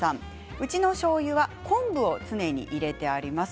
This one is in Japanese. うちのおしょうゆは昆布を常に入れてあります。